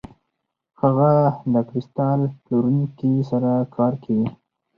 هغه د کریستال پلورونکي سره کار کوي.